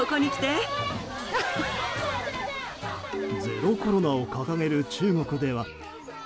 ゼロコロナを掲げる中国では。